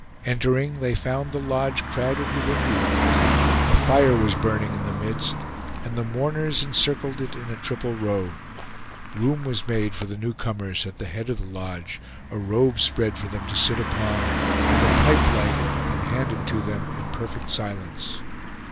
Entering, they found the lodge crowded with Indians; a fire was burning in the midst, and the mourners encircled it in a triple row. Room was made for the newcomers at the head of the lodge, a robe spread for them to sit upon, and a pipe lighted and handed to them in perfect silence.